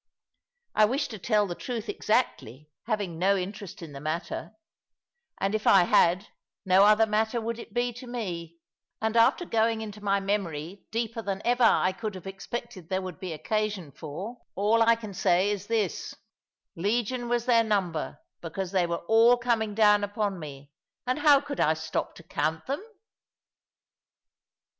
I wish to tell the truth exactly, having no interest in the matter and if I had, no other matter would it be to me; and after going into my memory deeper than ever I could have expected there would be occasion for, all I can say is this legion was their number; because they were all coming down upon me; and how could I stop to count them?